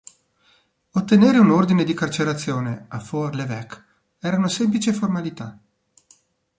Ottenere un ordine di carcerazione a For-l'Évêque era una semplice formalità.